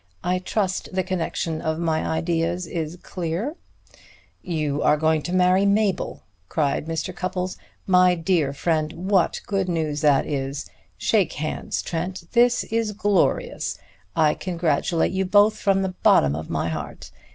I trust the connection of ideas is clear." "You are going to marry Mabel!" cried Mr. Cupples. "My dear friend, what good news this is! Shake hands, Trent; this is glorious! I congratulate you both from the bottom of my heart.